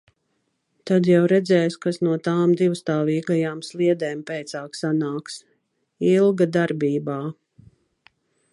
Tad jau redzēs, kas no tām divstāvīgajām sliedēm pēcāk sanāks. Ilga darbībā.